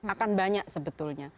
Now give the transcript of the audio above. akan banyak sebetulnya